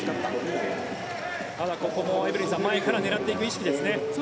ここもエブリンさん前から狙っていく意識ですね。